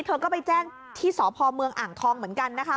เธอก็ไปแจ้งที่สพเมืองอ่างทองเหมือนกันนะคะ